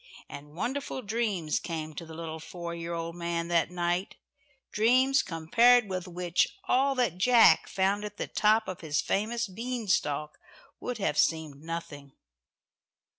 And wonderful dreams came to the little four year old man that night dreams compared with which, all that Jack found at the top of his famous bean stalk would have seemed nothing.